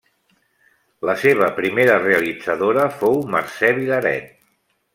La seva primera realitzadora fou Mercè Vilaret.